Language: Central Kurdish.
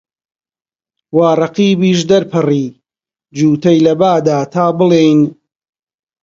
وا ڕەقیبیش دەرپەڕی، جووتەی لە با دا، تا بڵێن